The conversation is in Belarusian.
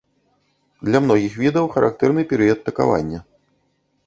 Для многіх відаў характэрны перыяд такавання.